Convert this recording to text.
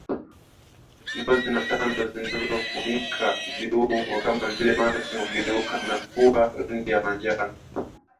Ngozi na tando zinazofunika viungo kama vile macho hugeuka na kuwa rangi ya manjano